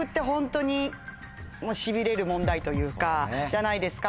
じゃないですか。